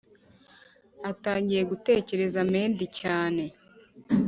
atangiye gutekereza mendi cyane